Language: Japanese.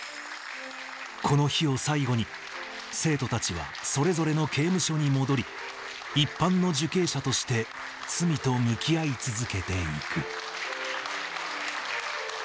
この日を最後に、生徒たちはそれぞれの刑務所に戻り、一般の受刑者として罪と向き合い続けていく。